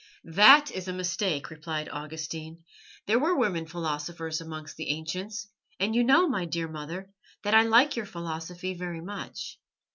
"That is a mistake," replied Augustine. "There were women philosophers amongst the ancients, and you know, my dear mother, that I like your philosophy very much.